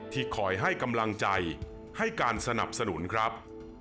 คอยให้กำลังใจให้การสนับสนุนครับ